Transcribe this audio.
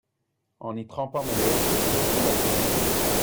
En y trempant mes lévres, je fis la grimace.